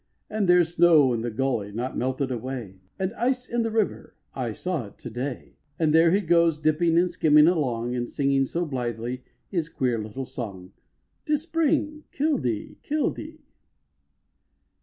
And there's snow in the gully not melted away, And ice in the river; I saw it to day. Yet there he goes dipping and skimming along And singing so blithely his queer little song: "'Tis spring. Killdee, Killdee."